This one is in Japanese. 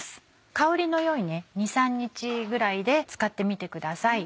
香りの良い２３日ぐらいで使ってみてください。